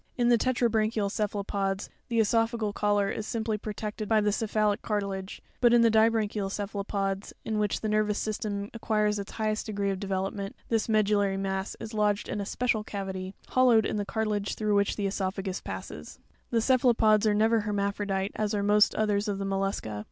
In the tetra branchial cephalopods, the cesophageal collar is simply protected by the cephalic car tilage; but in the dibranchial cephalopods, in which the nervous system acquires its highest degree of develop ment, this medullary mass is lodged in a special cavity, hollowed in the cartilage through which the cesopha gus passes. ; 13. The cephalopods are never hermaphrodite, as are most others of the mollusca.